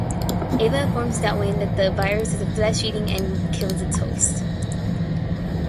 Ava informs Donwynn that the virus is flesh-eating and kills its host.